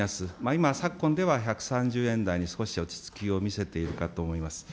今、昨今では１３０円台に少し落ち着きを見せているかと思います。